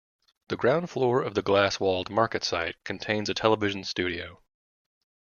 The ground floor of the glass-walled MarketSite contains a television studio.